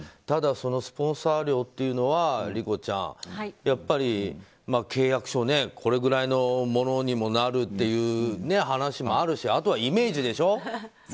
ただそのスポンサー料というのは理子ちゃん契約書これぐらいのものにもなるという話もあるしあとはイメージでしょ。